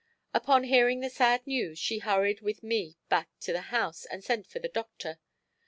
Upon hearing the sad news she hurried with me back to the house and sent for the doctor.